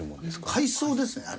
海藻ですねあれ。